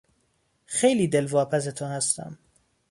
خیلی دلواپس تو هستم!